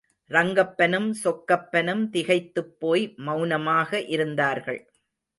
ரங்கப்பனும் சொக்கப்பனும் திகைத்துப் போய் மௌனமாக இருந்தார்கள்.